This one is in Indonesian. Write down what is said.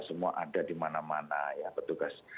semua ada dimana mana ya petugas